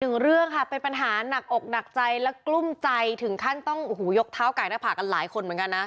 หนึ่งเรื่องค่ะเป็นปัญหาหนักอกหนักใจและกลุ้มใจถึงขั้นต้องโอ้โหยกเท้าไก่หน้าผากกันหลายคนเหมือนกันนะ